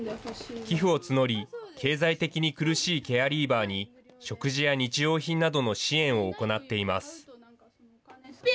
寄付を募り、経済的に苦しいケアリーバーに、食事や日用品などの支援を行っています。